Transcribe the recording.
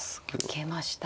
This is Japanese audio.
受けました。